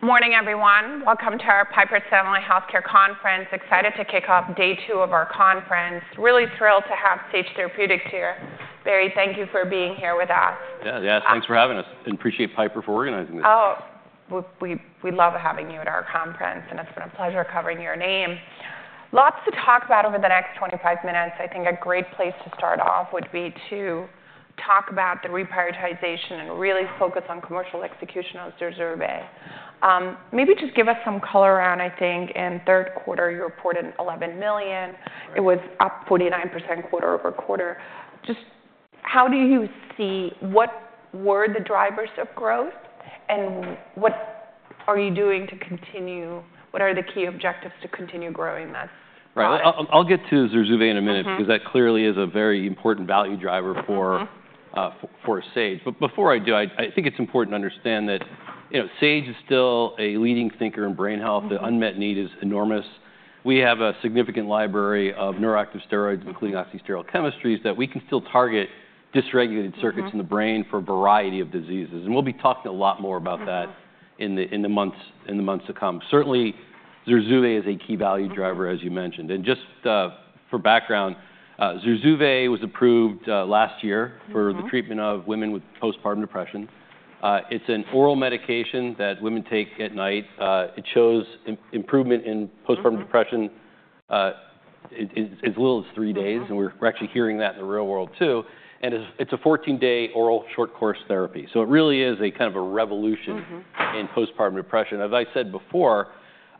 Morning, everyone. Welcome to our Piper Sandle Healthcare Conference. Excited to kick off day two of our conference. Really thrilled to have Sage Therapeutics here. Barry, thank you for being here with us. Yeah, yes, thanks for having us and appreciate Piper for organizing this. Oh, we love having you at our conference, and it's been a pleasure covering your name. Lots to talk about over the next 25 minutes. I think a great place to start off would be to talk about the reprioritization and really focus on commercial execution of Zurzuvae. Maybe just give us some color around, I think, in third quarter, you reported $11 million. It was up 49% quarter over quarter. Just how do you see what were the drivers of growth, and what are you doing to continue? What are the key objectives to continue growing this? Right. I'll get to Zurzuvae in a minute because that clearly is a very important value driver for Sage. But before I do, I think it's important to understand that Sage is still a leading thinker in brain health. The unmet need is enormous. We have a significant library of neuroactive steroids, including oxysteroid chemistries, that we can still target dysregulated circuits in the brain for a variety of diseases. And we'll be talking a lot more about that in the months to come. Certainly, Zurzuvae is a key value driver, as you mentioned. And just for background, Zurzuvae was approved last year for the treatment of women with postpartum depression. It's an oral medication that women take at night. It shows improvement in postpartum depression as little as three days. And we're actually hearing that in the real world, too. And it's a 14-day oral short course therapy. So it really is a kind of a revolution in postpartum depression. As I said before,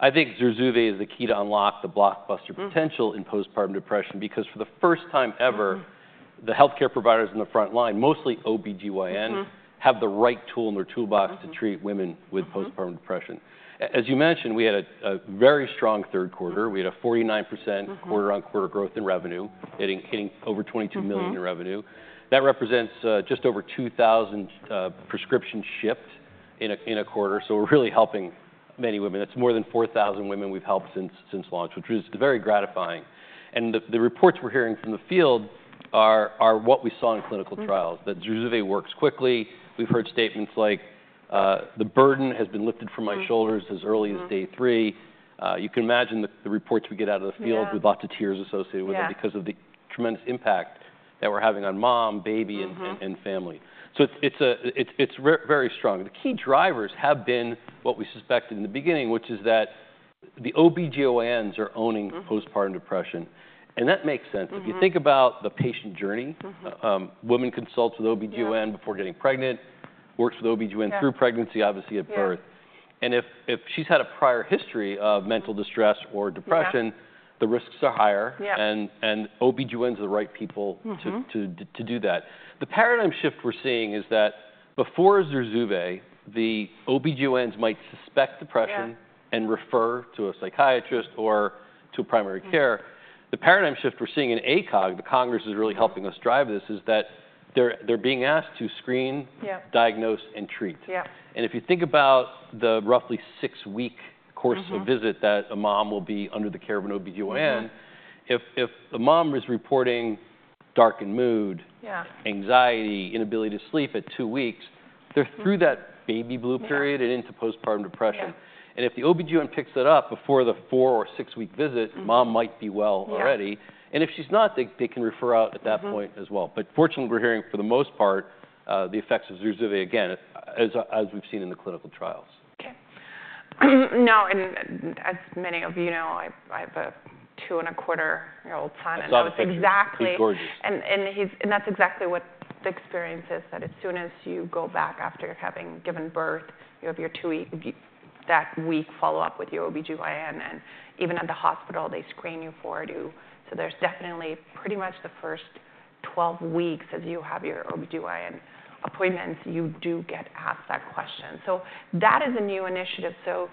I think Zurzuvae is the key to unlock the blockbuster potential in postpartum depression because for the first time ever, the healthcare providers in the front line, mostly OB-GYN, have the right tool in their toolbox to treat women with postpartum depression. As you mentioned, we had a very strong third quarter. We had a 49% quarter-on-quarter growth in revenue, hitting over $22 million in revenue. That represents just over 2,000 prescriptions shipped in a quarter. So we're really helping many women. That's more than 4,000 women we've helped since launch, which is very gratifying. And the reports we're hearing from the field are what we saw in clinical trials, that Zurzuvae works quickly. We've heard statements like, "The burden has been lifted from my shoulders as early as day three." You can imagine the reports we get out of the field with lots of tears associated with it because of the tremendous impact that we're having on mom, baby, and family. So it's very strong. The key drivers have been what we suspected in the beginning, which is that the OB-GYNs are owning postpartum depression. And that makes sense. If you think about the patient journey, a woman consults with OB-GYN before getting pregnant, works with OB-GYN through pregnancy, obviously at birth. And if she's had a prior history of mental distress or depression, the risks are higher. And OB-GYNs are the right people to do that. The paradigm shift we're seeing is that before Zurzuvae, the OB-GYNs might suspect depression and refer to a psychiatrist or to primary care. The paradigm shift we're seeing in ACOG, the Congress is really helping us drive this, is that they're being asked to screen, diagnose, and treat. And if you think about the roughly six-week course of visit that a mom will be under the care of an OB-GYN, if a mom is reporting darkened mood, anxiety, inability to sleep at two weeks, they're through that baby blues period and into postpartum depression. And if the OB-GYN picks it up before the four or six-week visit, mom might be well already. And if she's not, they can refer out at that point as well. But fortunately, we're hearing for the most part the effects of Zurzuvae, again, as we've seen in the clinical trials. Okay. Now, as many of you know, I have a two-and-a-quarter-year-old son. Exactly. And that's exactly what the experience is, that as soon as you go back after having given birth, you have that week follow-up with your OB-GYN. And even at the hospital, they screen you for it. So there's definitely pretty much the first 12 weeks as you have your OB-GYN appointments, you do get asked that question. So that is a new initiative. So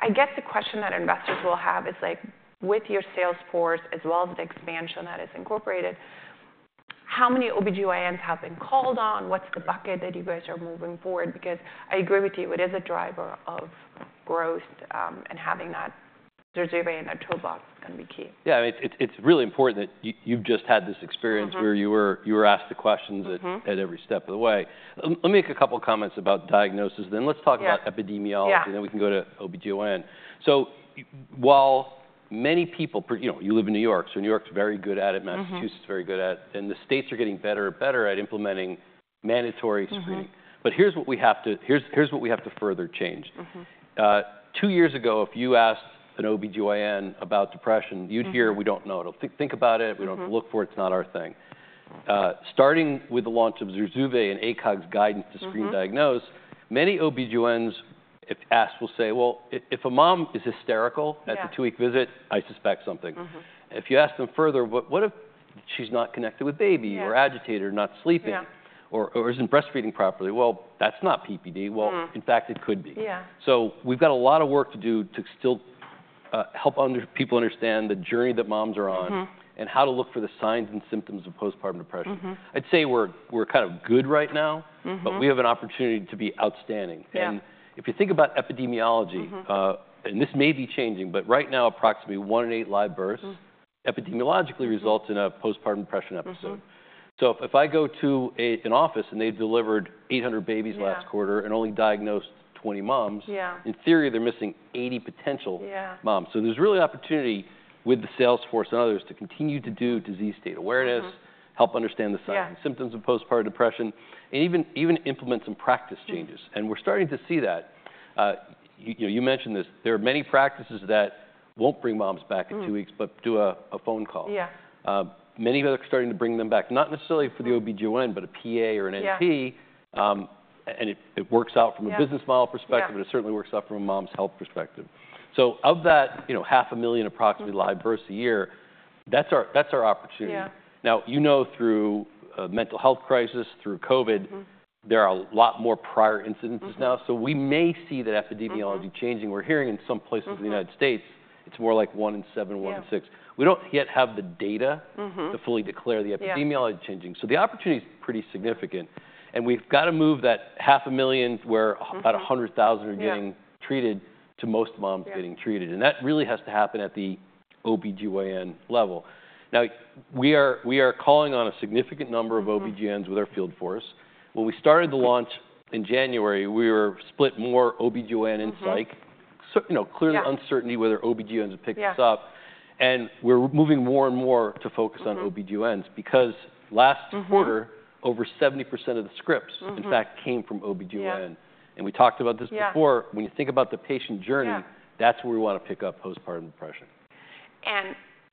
I guess the question that investors will have is, with your sales force as well as the expansion that is incorporated, how many OB-GYNs have been called on? What's the bucket that you guys are moving forward? Because I agree with you, it is a driver of growth, and having that Zurzuvae in that toolbox is going to be key. Yeah, it's really important that you've just had this experience where you were asked the questions at every step of the way. Let me make a couple of comments about diagnosis. Then let's talk about epidemiology, and then we can go to OB-GYN. So while many people, you know, you live in New York, so New York's very good at it, Massachusetts is very good at it, and the states are getting better and better at implementing mandatory screening. But here's what we have to further change. Two years ago, if you asked an OB-GYN about depression, you'd hear, "We don't know. Think about it. We don't look for it. It's not our thing." Starting with the launch of Zurzuvae and ACOG's guidance to screen diagnose, many OB-GYNs will say, "Well, if a mom is hysterical at the two-week visit, I suspect something." If you ask them further, "What if she's not connected with baby or agitated or not sleeping or isn't breastfeeding properly?" "Well, that's not PPD." "Well, in fact, it could be." So we've got a lot of work to do to still help people understand the journey that moms are on and how to look for the signs and symptoms of postpartum depression. I'd say we're kind of good right now, but we have an opportunity to be outstanding. And if you think about epidemiology, and this may be changing, but right now, approximately one in eight live births epidemiologically results in a postpartum depression episode. So if I go to an office and they've delivered 800 babies last quarter and only diagnosed 20 moms, in theory, they're missing 80 potential moms. So there's really opportunity with the sales force and others to continue to do disease state awareness, help understand the signs and symptoms of postpartum depression, and even implement some practice changes. And we're starting to see that. You mentioned this. There are many practices that won't bring moms back in two weeks but do a phone call. Many of them are starting to bring them back, not necessarily for the OB-GYN, but a PA or an NP. And it works out from a business model perspective, but it certainly works out from a mom's health perspective. So of that approximately 500,000 live births a year, that's our opportunity. Now, you know, through a mental health crisis, through COVID, there are a lot more prior incidences now. So we may see that epidemiology changing. We're hearing in some places in the United States, it's more like one in seven, one in six. We don't yet have the data to fully declare the epidemiology changing. The opportunity is pretty significant. We've got to move that 500,000 where about 100,000 are getting treated to most moms getting treated. That really has to happen at the OB-GYN level. Now, we are calling on a significant number of OB-GYNs with our field force. When we started the launch in January, we were split more OB-GYN and psych. Clearly, uncertainty whether OB-GYNs would pick us up. We're moving more and more to focus on OB-GYNs because last quarter, over 70% of the scripts, in fact, came from OB-GYN. And we talked about this before. When you think about the patient journey, that's where we want to pick up Postpartum Depression.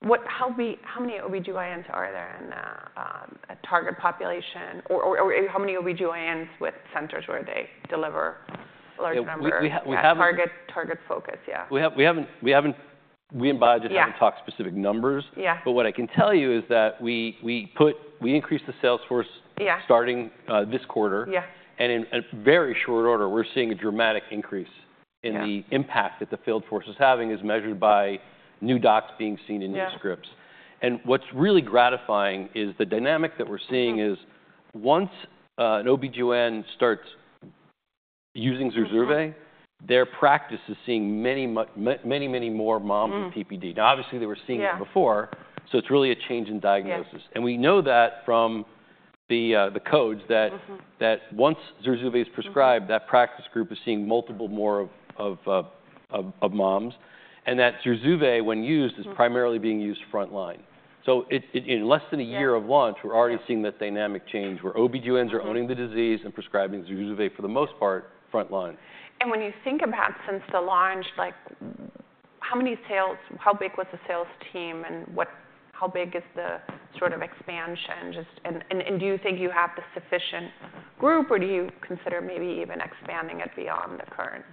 How many OB-GYNs are there in a target population? Or how many OB-GYNs with centers where they deliver a large number? We haven't. Target focus, yeah. We haven't. We and Bai just haven't talked specific numbers, but what I can tell you is that we increased the sales force starting this quarter, and in very short order, we're seeing a dramatic increase in the impact that the field force is having as measured by new docs being seen in new scripts. And what's really gratifying is the dynamic that we're seeing is once an OB-GYN starts using Zurzuvae, their practice is seeing many, many more moms with PPD. Now, obviously, they were seeing it before, so it's really a change in diagnosis. And we know that from the codes that once Zurzuvae is prescribed, that practice group is seeing multiple more of moms. And that Zurzuvae, when used, is primarily being used frontline. In less than a year of launch, we're already seeing that dynamic change where OB-GYNs are owning the disease and prescribing Zurzuvae for the most part frontline. And when you think about since the launch, how big was the sales team and how big is the sort of expansion? And do you think you have the sufficient group, or do you consider maybe even expanding it beyond the current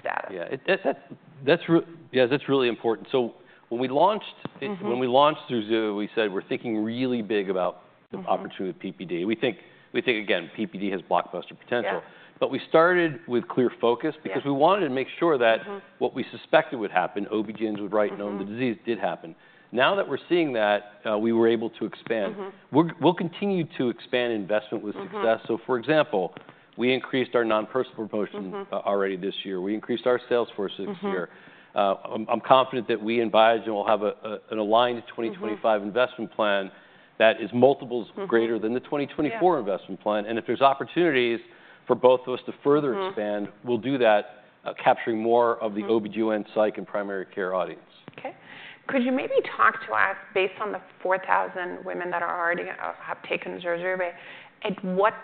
status? Yeah, that's really important. So when we launched Zurzuvae, we said we're thinking really big about the opportunity of PPD. We think, again, PPD has blockbuster potential. But we started with clear focus because we wanted to make sure that what we suspected would happen, OB-GYNs would write and own the disease, did happen. Now that we're seeing that, we were able to expand. We'll continue to expand investment with success. So, for example, we increased our non-personal promotion already this year. We increased our sales force this year. I'm confident that we and Biogen will have an aligned 2025 investment plan that is multiples greater than the 2024 investment plan. And if there's opportunities for both of us to further expand, we'll do that, capturing more of the OB-GYN, psych, and primary care audience. Okay. Could you maybe talk to us, based on the 4,000 women that have already taken Zurzuvae, at what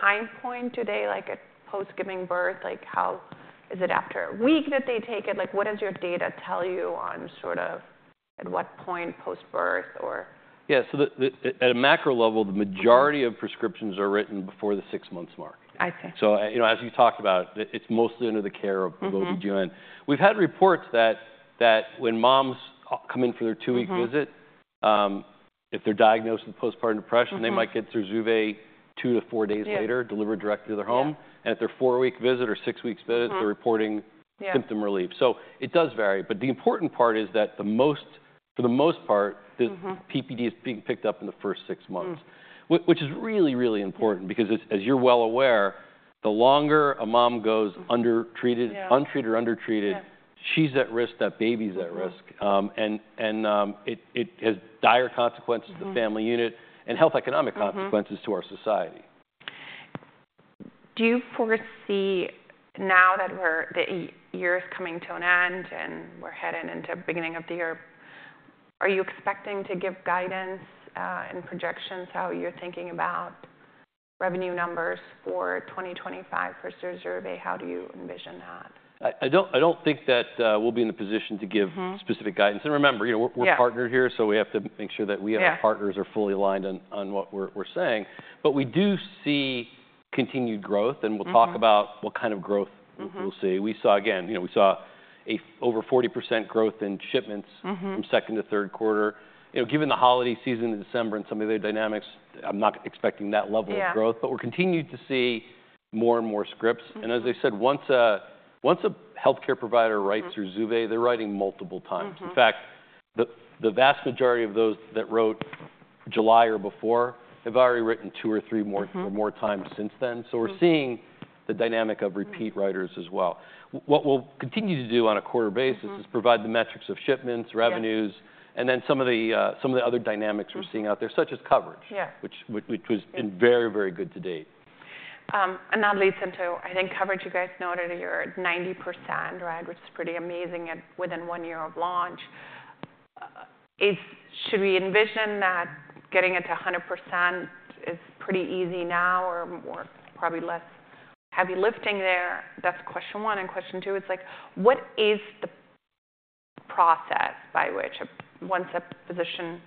time point do they like it post giving birth? How is it after a week that they take it? What does your data tell you on sort of at what point post-birth? Yeah, so at a macro level, the majority of prescriptions are written before the six-month mark. I see. As you talked about, it's mostly under the care of OB-GYN. We've had reports that when moms come in for their two-week visit, if they're diagnosed with postpartum depression, they might get Zurzuvae two to four days later, delivered directly to their home, and at their four-week visit or six-week visit, they're reporting symptom relief, so it does vary, but the important part is that for the most part, PPD is being picked up in the first six months, which is really, really important because, as you're well aware, the longer a mom goes undertreated, untreated or undertreated, she's at risk, that baby's at risk, and it has dire consequences to the family unit and health economic consequences to our society. Do you foresee now that the year is coming to an end and we're heading into the beginning of the year, are you expecting to give guidance and projections how you're thinking about revenue numbers for 2025 for Zurzuvae? How do you envision that? I don't think that we'll be in the position to give specific guidance. And remember, we're partnered here, so we have to make sure that we and our partners are fully aligned on what we're saying. But we do see continued growth, and we'll talk about what kind of growth we'll see. We saw, again, we saw over 40% growth in shipments from second to third quarter. Given the holiday season in December and some of the other dynamics, I'm not expecting that level of growth. But we're continuing to see more and more scripts. And as I said, once a healthcare provider writes Zurzuvae, they're writing multiple times. In fact, the vast majority of those that wrote July or before have already written two or three more times since then. So we're seeing the dynamic of repeat writers as well. What we'll continue to do on a quarter basis is provide the metrics of shipments, revenues, and then some of the other dynamics we're seeing out there, such as coverage, which was very, very good to date. And that leads into, I think, coverage. You guys noted you're at 90%, right, which is pretty amazing within one year of launch. Should we envision that getting it to 100% is pretty easy now or probably less heavy lifting there? That's question one. And question two, it's like, what is the process by which once a physician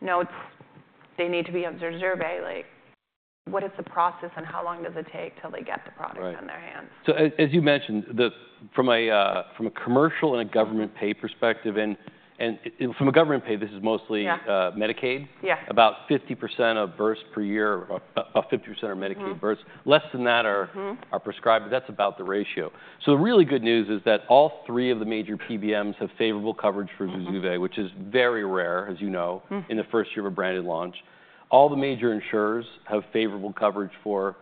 notes they need to be on Zurzuvae, what is the process and how long does it take till they get the product in their hands? Right. So, as you mentioned, from a commercial and a government pay perspective, and from a government pay, this is mostly Medicaid, about 50% of births per year, about 50% are Medicaid births. Less than that are prescribed, but that's about the ratio. So the really good news is that all three of the major PBMs have favorable coverage for Zurzuvae, which is very rare, as you know, in the first year of a branded launch. All the major insurers have favorable coverage for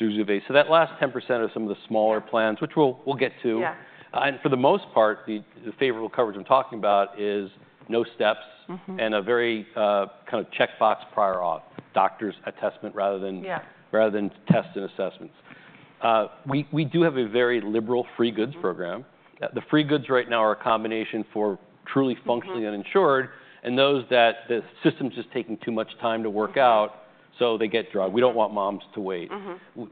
Zurzuvae. So that last 10% are some of the smaller plans, which we'll get to. And for the most part, the favorable coverage I'm talking about is no steps and a very kind of checkbox prior auth, doctor's attestation rather than tests and assessments. We do have a very liberal free goods program. The free goods right now are a combination for truly functionally uninsured and those that the system's just taking too much time to work out, so they get the drug. We don't want moms to wait.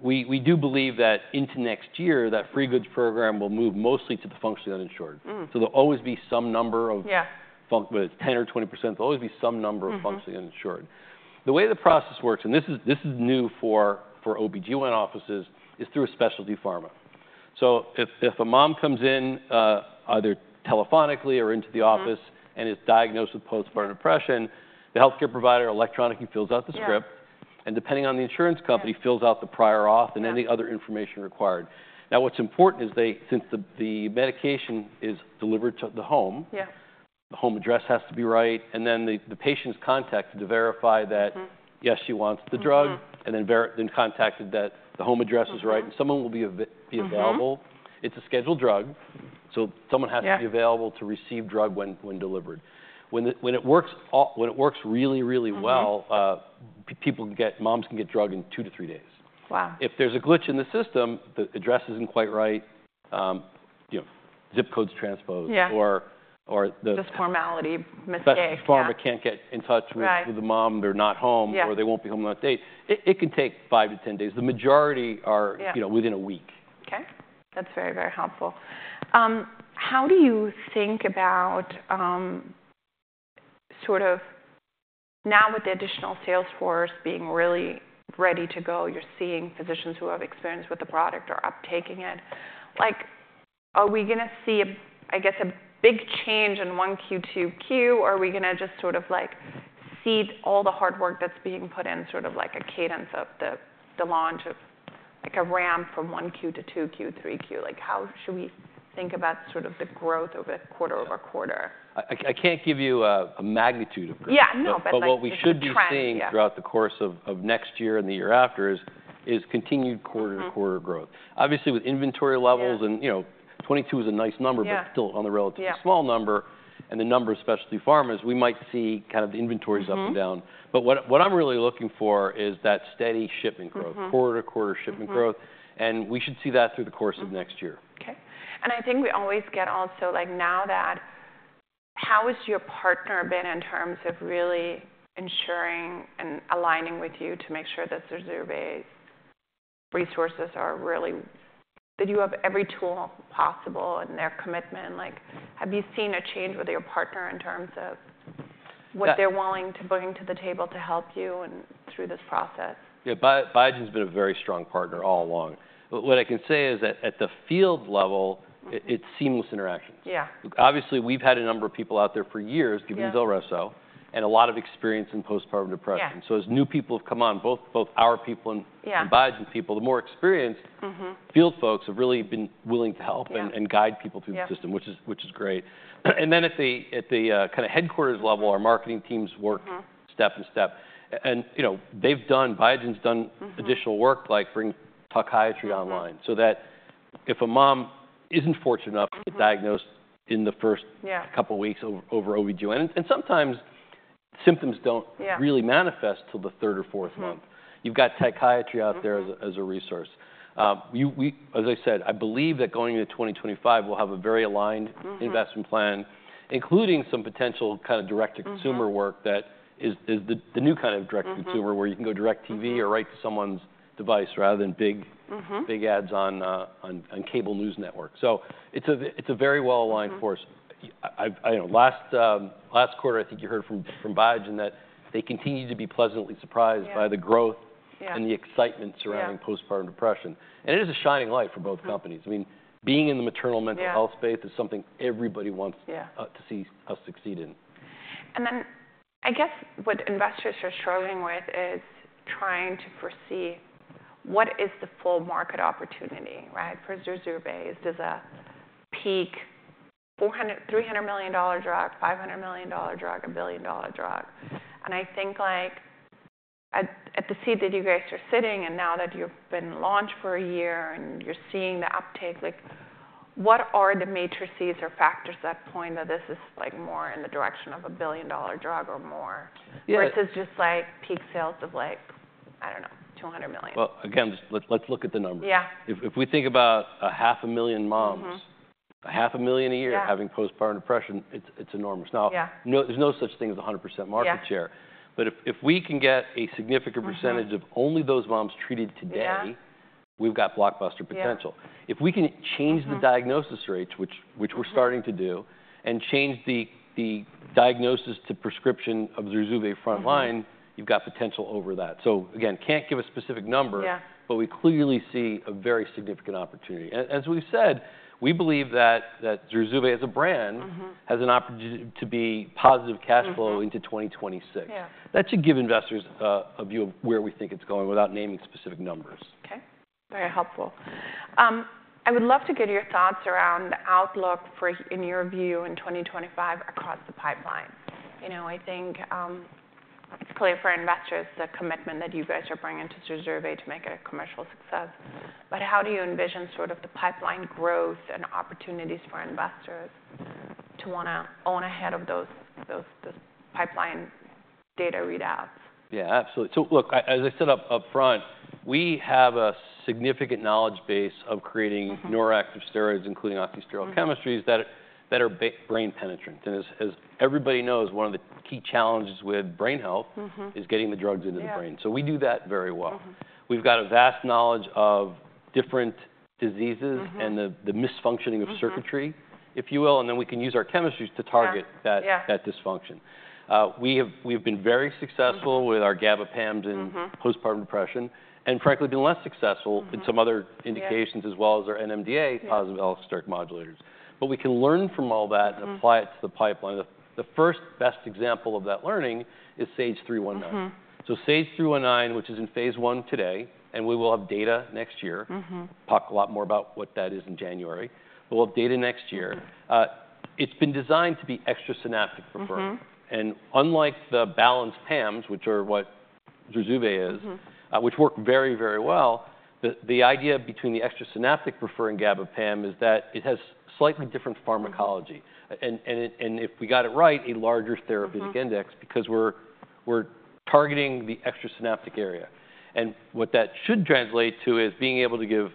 We do believe that into next year, that free goods program will move mostly to the functionally uninsured. So there'll always be some number of, whether it's 10% or 20%, there'll always be some number of functionally uninsured. The way the process works, and this is new for OB-GYN offices, is through a specialty pharma. So if a mom comes in either telephonically or into the office and is diagnosed with postpartum depression, the healthcare provider electronically fills out the script, and depending on the insurance company, fills out the prior auth and any other information required. Now, what's important is since the medication is delivered to the home, the home address has to be right, and then the patient is contacted to verify that, yes, she wants the drug and then contacted that the home address is right, and someone will be available. It's a scheduled drug, so someone has to be available to receive drug when delivered. When it works really, really well, moms can get drug in two-to-three days. Wow. If there's a glitch in the system, the address isn't quite right, zip code's transposed, or the. Just formality mistake. The pharma can't get in touch with the mom, they're not home, or they won't be home that day. It can take five to ten days. The majority are within a week. Okay. That's very, very helpful. How do you think about sort of now with the additional sales force being really ready to go, you're seeing physicians who have experience with the product or uptaking it, are we going to see, I guess, a big change in 1Q, 2Q? Are we going to just sort of see all the hard work that's being put in sort of like a cadence of the launch of a ramp from 1Q to 2Q, 3Q? How should we think about sort of the growth over a quarter over quarter? I can't give you a magnitude of growth. Yeah, no, but that's trend. But what we should be seeing throughout the course of next year and the year after is continued quarter to quarter growth. Obviously, with inventory levels, and 22 is a nice number, but still on the relatively small number. And the number of specialty pharmas, we might see kind of the inventories up and down. But what I'm really looking for is that steady shipment growth, quarter to quarter shipment growth. And we should see that through the course of next year. Okay. And I think we always get also, now that, how has your partner been in terms of really ensuring and aligning with you to make sure that Zurzuvae's resources are really, that you have every tool possible and their commitment? Have you seen a change with your partner in terms of what they're willing to bring to the table to help you through this process? Yeah, Biogen's been a very strong partner all along. What I can say is that at the field level, it's seamless interactions. Yeah. Obviously, we've had a number of people out there for years, Zulresso, and a lot of experience in postpartum depression. So as new people have come on, both our people and Biogen's people, the more experienced field folks have really been willing to help and guide people through the system, which is great. And then at the kind of headquarters level, our marketing teams work step by step. And Biogen's done additional work like bringing toxicology online so that if a mom isn't fortunate enough to get diagnosed in the first couple of weeks over OB-GYN, and sometimes symptoms don't really manifest till the third or fourth month, you've got toxicology out there as a resource. As I said, I believe that going into 2025, we'll have a very aligned investment plan, including some potential kind of direct-to-consumer work that is the new kind of direct-to-consumer where you can go DirecTV or right to someone's device rather than big ads on cable news networks, so it's a very well-aligned force. Last quarter, I think you heard from Bai Jin that they continue to be pleasantly surprised by the growth and the excitement surrounding postpartum depression, and it is a shining light for both companies. I mean, being in the maternal mental health space is something everybody wants to see us succeed in. And then, I guess what investors are struggling with is trying to foresee what is the full market opportunity, right, for Zurzuvae? Is this a peak $300 million drug, $500 million drug, a billion-dollar drug? And I think at the seat that you guys are sitting, and now that you've been launched for a year and you're seeing the uptake, what are the metrics or factors that point that this is more in the direction of a billion-dollar drug or more versus just peak sales of, I don't know, $200 million? Again, let's look at the numbers. Yeah. If we think about 500,000 moms, 500,000 a year having postpartum depression, it's enormous. Now, there's no such thing as 100% market share. But if we can get a significant percentage of only those moms treated today, we've got blockbuster potential. If we can change the diagnosis rates, which we're starting to do, and change the diagnosis to prescription of Zurzuvae frontline, you've got potential over that, so, again, can't give a specific number, but we clearly see a very significant opportunity, and as we've said, we believe that Zurzuvae as a brand has an opportunity to be positive cash flow into 2026. That should give investors a view of where we think it's going without naming specific numbers. Okay. Very helpful. I would love to get your thoughts around the outlook for, in your view, in 2025 across the pipeline. I think it's clear for investors the commitment that you guys are bringing to Zurzuvae to make it a commercial success. But how do you envision sort of the pipeline growth and opportunities for investors to want to own ahead of those pipeline data readouts? Yeah, absolutely. So, look, as I said upfront, we have a significant knowledge base of creating neuroactive steroids, including oxysteroid chemistries that are brain penetrant. And as everybody knows, one of the key challenges with brain health is getting the drugs into the brain. So we do that very well. We've got a vast knowledge of different diseases and the malfunctioning of circuitry, if you will, and then we can use our chemistries to target that dysfunction. We have been very successful with our GABA PAMs in postpartum depression and, frankly, been less successful in some other indications as well as our NMDA positive allosteric modulators. But we can learn from all that and apply it to the pipeline. The first best example of that learning is SAGE-319. So SAGE-319, which is in phase one today, and we will have data next year. I'll talk a lot more about what that is in January. We'll have data next year. It's been designed to be extra-synaptic preferring. Unlike the balanced PAMs, which are what Zurzuvae is, which work very, very well, the idea behind the extra-synaptic preferring SAGE-319 is that it has slightly different pharmacology. If we got it right, a larger therapeutic index because we're targeting the extra-synaptic area. What that should translate to is being able to give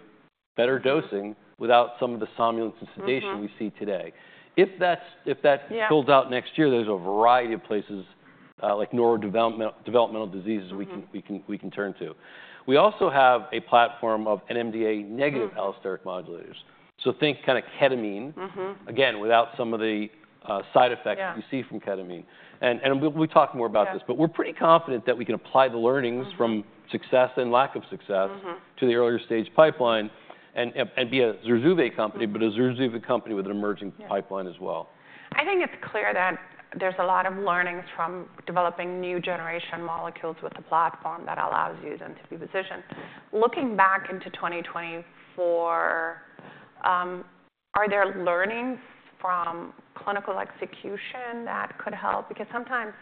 better dosing without some of the somnolence and sedation we see today. If that holds out next year, there's a variety of places like neurodevelopmental diseases we can turn to. We also have a platform of NMDA negative allosteric modulators. So think kind of ketamine, again, without some of the side effects we see from ketamine. We'll talk more about this, but we're pretty confident that we can apply the learnings from success and lack of success to the earlier stage pipeline and be a Zurzuvae company, but a Zurzuvae company with an emerging pipeline as well. I think it's clear that there's a lot of learnings from developing new generation molecules with the platform that allows you then to be positioned. Looking back into 2024, are there learnings from clinical execution that could help? Because sometimes,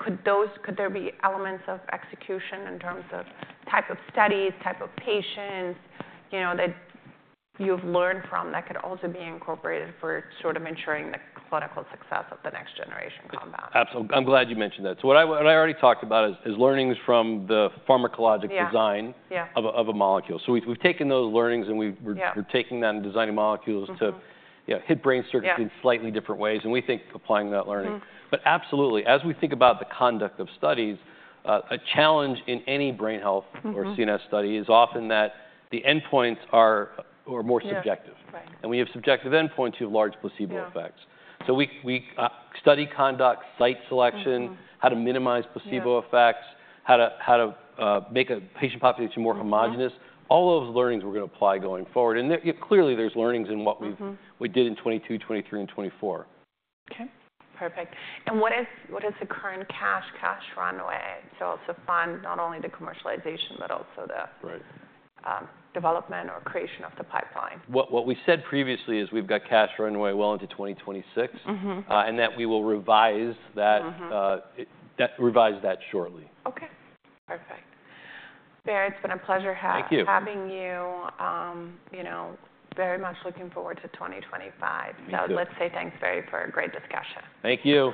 could there be elements of execution in terms of type of studies, type of patients that you've learned from that could also be incorporated for sort of ensuring the clinical success of the next generation compound? Absolutely. I'm glad you mentioned that, so what I already talked about is learnings from the pharmacologic design of a molecule, so we've taken those learnings and we're taking that and designing molecules to hit brain circuits in slightly different ways, and we think applying that learning, but absolutely, as we think about the conduct of studies, a challenge in any brain health or CNS study is often that the endpoints are more subjective, and when you have subjective endpoints, you have large placebo effects, so study conduct, site selection, how to minimize placebo effects, how to make a patient population more homogeneous, all of those learnings we're going to apply going forward, and clearly, there's learnings in what we did in 2022, 2023, and 2024. Okay. Perfect. And what is the current cash runway? So fund not only the commercialization, but also the development or creation of the pipeline? What we said previously is we've got cash runway well into 2026 and that we will revise that shortly. Okay. Perfect. Barry, it's been a pleasure having you. Thank you. Very much looking forward to 2025. So let's say thanks, Barry, for a great discussion. Thank you.